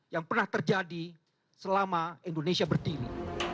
yang pernah terjadi selama indonesia berdiri